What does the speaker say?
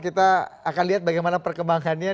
kita akan lihat bagaimana perkembangannya